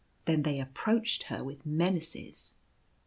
Then they approached her with menaces.